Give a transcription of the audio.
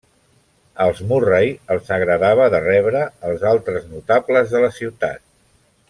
Als Murray els agradava de rebre els altres notables de la ciutat.